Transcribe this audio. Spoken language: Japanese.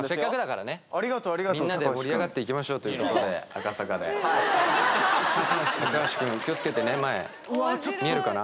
みんなで盛り上がっていきましょうということで赤坂で坂牛くん気をつけてね前見えるかな？